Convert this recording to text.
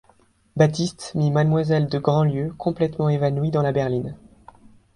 Baptiste mit mademoiselle de Grandlieu complètement évanouie dans la berline.